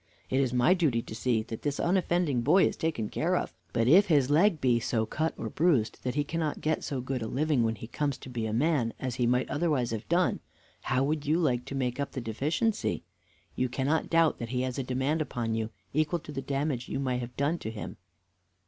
It is my duty to see that this unoffending boy is taken care of; but if his leg be so cut or bruised that he cannot get so good a living when he comes to be a man as he might otherwise have done, how would you like to make up the deficiency? You cannot doubt that he has a demand upon you equal to the damage you may have done to him.